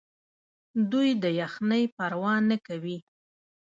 دوی د یخنۍ پروا نه کوي.